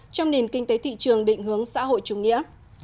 trong nền kinh tế thị trường định hướng xã hội chủ nghĩa